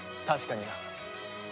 確かにな。